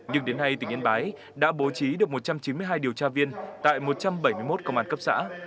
nhưng đến nay tỉnh yên bái đã bố trí được một trăm chín mươi hai điều tra viên tại một trăm bảy mươi một công an cấp xã